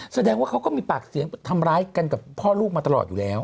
แสดงว่าเขาก็มีปากเสียงทำร้ายกันกับพ่อลูกมาตลอดอยู่แล้ว